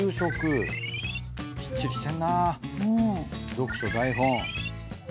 読書台本。